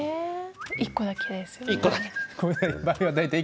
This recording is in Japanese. １個だけ。